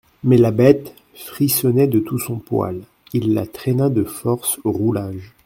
Mais la bête frissonnait de tout son poil, il la traîna de force au roulage.